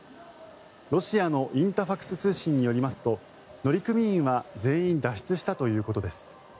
ロシアのインタファクス通信によりますと乗組員は全員脱出したということです。